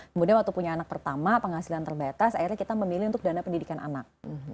kemudian waktu punya anak pertama penghasilan terbatas akhirnya kita memilih untuk dana pendidikan anak